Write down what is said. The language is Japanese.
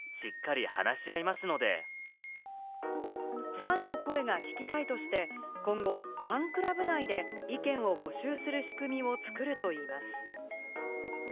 ファンの声が聞きたいとして、今後ファンクラブ内で意見を募集する仕組みを作るといいます。